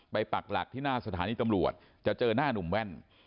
ปักหลักที่หน้าสถานีตำรวจจะเจอหน้านุ่มแว่น